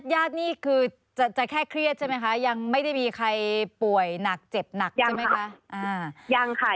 นี่คือจะแค่เครียดใช่ไหมคะยังไม่ได้มีใครป่วยหนักเจ็บหนักใช่ไหมคะยังค่ะ